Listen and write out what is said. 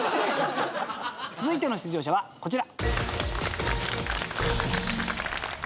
続いての出場者はこちら。